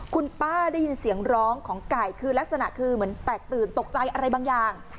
คุณป้าได้ยินเสียงร้องของไก่คือลักษณะคือเหมือนแตกตื่นตกใจอะไรบางอย่าง